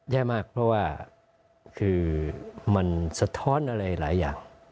แย่มากเพราะว่าคือมันสะท้อนอะไรหลายอย่าง